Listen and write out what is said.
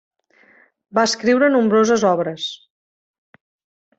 Va escriure nombroses obres.